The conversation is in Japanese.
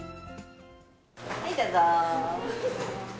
はい、どうぞ。